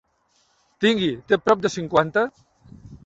Tingui, té prop de cinquanta?